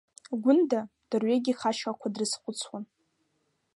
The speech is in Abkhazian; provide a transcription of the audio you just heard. Гәында, дырҩегьых ашьхақәа дрызхәыцуан.